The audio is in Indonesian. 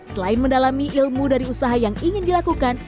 selain mendalami ilmu dari usaha yang ingin dilakukan